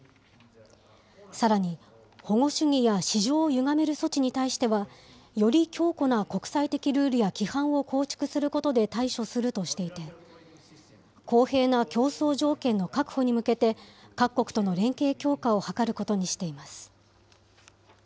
さらに、保護主義や市場をゆがめる措置に対しては、より強固な国際的ルールや規範を構築することで対処するとしていて、公平な競争条件の確保に向けて、各国との連携強化を図ることにしています。